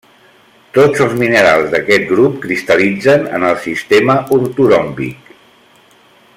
Tots els minerals d'aquest grup cristal·litzen en el sistema ortoròmbic.